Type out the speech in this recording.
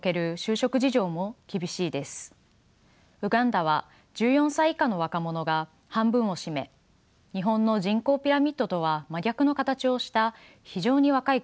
ウガンダは１４歳以下の若者が半分を占め日本の人口ピラミッドとは真逆の形をした非常に若い国です。